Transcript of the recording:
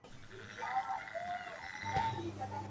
Por eso Cien sufrió las consecuencias en sintonía.